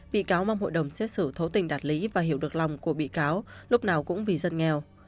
bị cáo mong hội đồng xét xử thấu tình đạt lý và hiểu được lòng của bị cáo lúc nào cũng vì dân nghèo